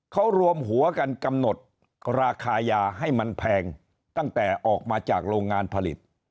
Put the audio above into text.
เขารวมหัวกันกำหนดราคายาให้มันแพงตั้งแต่ออกมาจากโรงงานผลิต